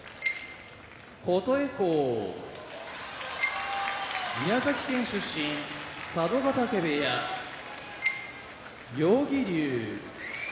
琴恵光宮崎県出身佐渡ヶ嶽部屋妙義龍